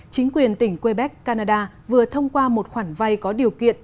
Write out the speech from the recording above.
chính quyền tỉnh quebec canada vừa thông qua một khoản vay có điều kiện